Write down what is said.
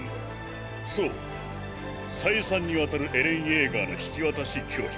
そう再三にわたるエレン・イェーガーの引き渡し拒否